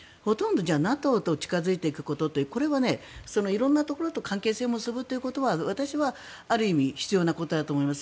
ＮＡＴＯと近付いていくことという色んなところ関係性を結ぶことは私は、ある意味必要なことだと思います。